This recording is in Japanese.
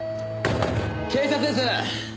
警察です！